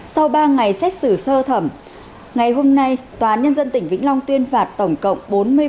sau ba ngày xét xử sơ thẩm ngày hôm nay tòa án nhân dân tỉnh vĩnh long tuyên phạt tổng cộng bốn mươi bốn